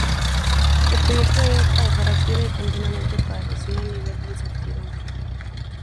El proyecto debe trabajar activa y continuamente para reducir el nivel de incertidumbre.